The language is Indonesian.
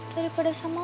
daripada sama lu